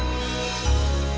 udah ke tv